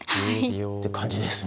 って感じですね。